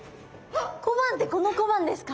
小判ってこの小判ですか？